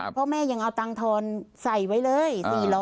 เพราะแม่ยังเอาตังค์ทรใส่ไว้เลย๔๐๐